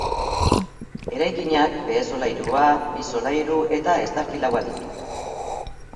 Eraikinak behe-solairua, bi solairu eta estalki laua ditu.